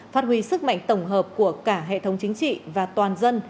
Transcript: phát huy sức mạnh tổng hợp của cả hệ thống chính trị và toàn dân